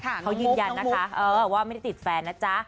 ค่ะน้องมุกน้องมุกเขายืนยันนะคะเออว่าไม่ได้ติดแฟนนะจ๊ะ